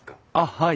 はい。